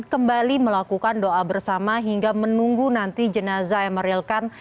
kembali melakukan doa bersama hingga menunggu nanti jenazah emeril kan